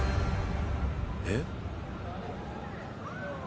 えっ？